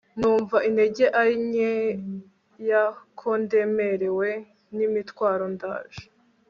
numva intege ari nkeya, ko ndemerewe n'imitwaro, ndaje